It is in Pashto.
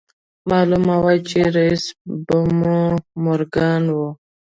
معلومه وه چې رييس به مورګان و.